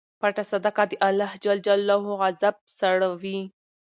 پټه صدقه د اللهﷻ غضب سړوي.